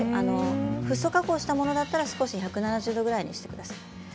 フッ素加工したものだったら１７０度ぐらいにしてください。